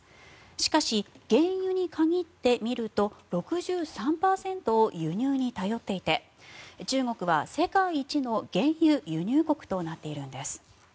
しかし、原油に限ってみると６３％を輸入に頼っていて中国は世界一の原油輸入国となっているんです。